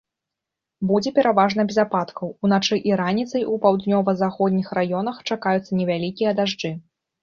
Будзе пераважна без ападкаў, уначы і раніцай у паўднёва-заходніх раёнах чакаюцца невялікія дажджы.